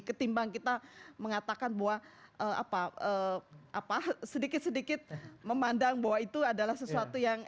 ketimbang kita mengatakan bahwa sedikit sedikit memandang bahwa itu adalah sesuatu yang